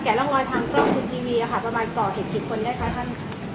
แกะรองรอยทางคล่องคลุ้มติวีสหรับประมาณ๒๓๐คนได้ครับท่าน